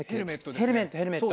ヘルメットヘルメット。